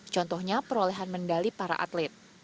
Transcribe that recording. contohnya perolehan medali para atlet